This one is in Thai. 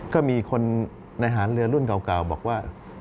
ก็มีคนในหารเรือรุ่นเก่าบอกว่า